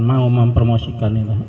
mau mempromosikan itu